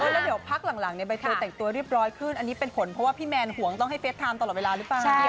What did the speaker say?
แล้วเดี๋ยวพักหลังใบเตยแต่งตัวเรียบร้อยขึ้นอันนี้เป็นผลเพราะว่าพี่แมนห่วงต้องให้เฟสไทม์ตลอดเวลาหรือเปล่า